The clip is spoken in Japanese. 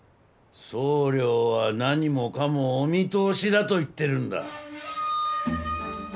総領は何もかもお見通しだと言ってるんだ。